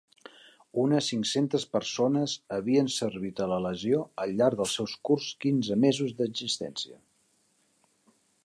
Unes cinc-centes persones havien servit a la legió al llarg dels seus curts quinze mesos d'existència.